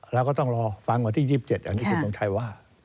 เราก็ต้องรอฟังกว่าที่๒๗อย่างที่คุณมองชัยว่า